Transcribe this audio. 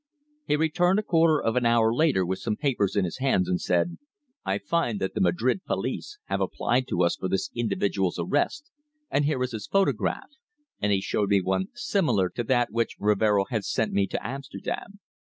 He returned a quarter of an hour later with some papers in his hands, and said: "I find that the Madrid police have applied to us for this individual's arrest, and here is his photograph," and he showed me one similar to that which Rivero had sent me to Amsterdam.